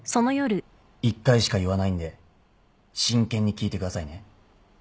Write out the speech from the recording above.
一回しか言わないんで真剣に聞いてくださいね。